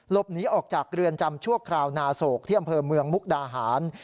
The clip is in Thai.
หลบหนีออกจากเรือนจำชั่วคราวนาโศกที่อำเภอเมืองมุกดาหาร